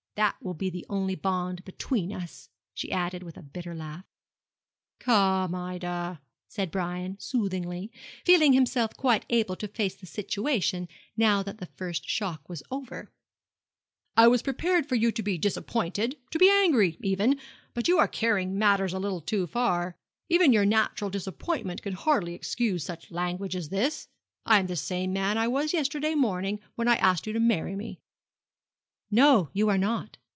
That will be the only bond between us,' she added, with a bitter laugh. 'Come, Ida,' said Brian, soothingly, feeling himself quite able to face the situation now the first shock was over, 'I was prepared for you to be disappointed to be angry, even; but you are carrying matters a little too far. Even your natural disappointment can hardly excuse such language as this. I am the same man I was yesterday morning when I asked you to marry me.' 'No, you are not.